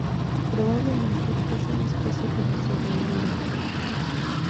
Probablemente es una especie con desarrollo directo.